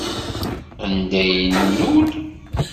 Anda ay nlul?